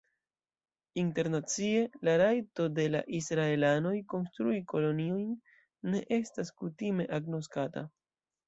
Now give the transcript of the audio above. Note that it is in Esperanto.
Internacie, la rajto de la Israelanoj konstrui koloniojn ne estas kutime agnoskata.